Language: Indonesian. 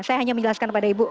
saya hanya menjelaskan kepada ibu